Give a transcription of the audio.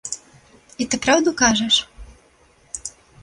І ты праўду кажаш?